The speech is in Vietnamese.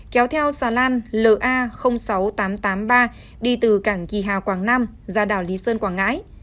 kéo theo xà lan la sáu nghìn tám trăm tám mươi ba đi từ cảng kỳ hà quảng nam ra đảo lý sơn quảng ngãi